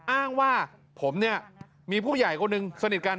อ้างว่าผมเนี่ยมีผู้ใหญ่คนหนึ่งสนิทกัน